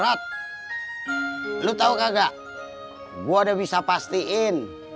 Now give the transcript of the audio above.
rat lu tau gak gua udah bisa pastiin